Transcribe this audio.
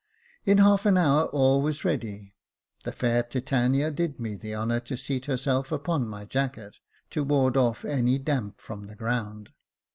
In half an hour all was ready : the fair Titania did me the honour to seat herself upon my jacket, to ward off any damp from the ground.